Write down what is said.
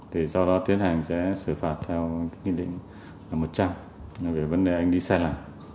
thì do đó tiến hành sẽ xử phạt theo nghị định một trăm linh về vấn đề anh đi sai lầm